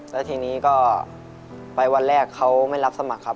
แล้วทีนี้ก็ไปวันแรกเขาไม่รับสมัครครับ